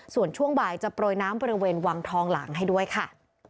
ส่วนช่วงบ่ายจะโปรยน้ำบริเวณวังทองหลังให้ด้วยค่ะ